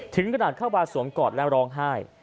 ถึงขนาดเข้ามาสวมกอดและร้องไห้